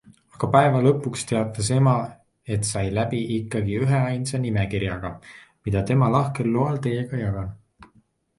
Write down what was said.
Aga päeva lõpuks teatas ema, et sai läbi ikkagi üheainsa nimekirjaga, mida tema lahkel loal teiega jagan.